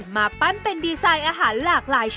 แม่ป้านผ่ารวย